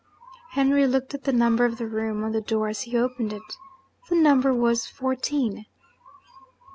Henry looked at the number of the room on the door as he opened it. The number was Fourteen.